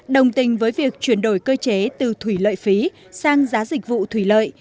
đồng tình với việc chuyển đổi cơ chế từ thủy lợi phí sang giá dịch vụ thủy lợi